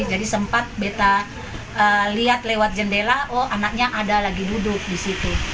jadi sempat beta lihat lewat jendela oh anaknya ada lagi duduk di situ